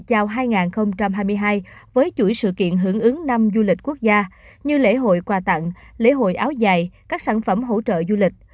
chào hai nghìn hai mươi hai với chuỗi sự kiện hưởng ứng năm du lịch quốc gia như lễ hội quà tặng lễ hội áo dài các sản phẩm hỗ trợ du lịch